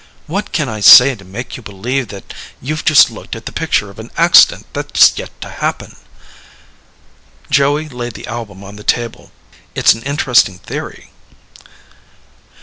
"What can I say to make you believe that you've just looked at the picture of an accident that's yet to happen." Joey laid the album on the table. "It's an interesting theory."